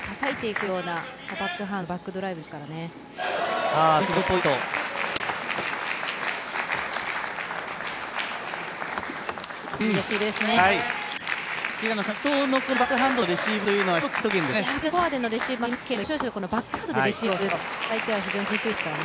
上からたたいていくようなバックハンド、バックドライブですからね。